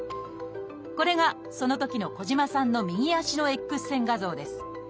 これがそのときの児島さんの右足のＸ線画像です。